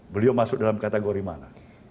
beliau masuk dalam kategori mana